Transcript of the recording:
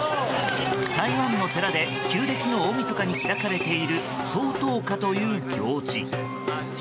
台湾の寺で旧暦の大みそかに開かれている搶頭香という行事。